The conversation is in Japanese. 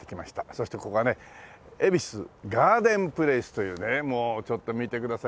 そしてここはね恵比寿ガーデンプレイスというねもうちょっと見てください。